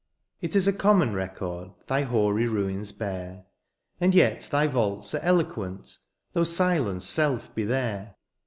It is a common record Thy hoary ruins bear^ And yet thy vaults are eloquent^ Though silence* self be there